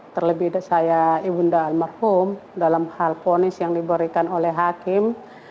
terlebih dari saya ibu bunda almarhum dalam hal fonis yang diberikan oleh hakim